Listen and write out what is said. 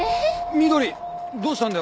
翠どうしたんだよ？